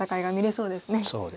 そうですね。